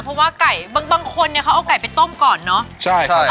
เพราะว่าบางคนเนี่ยเขาเอาก๋าไปต้มก่อนเนาะ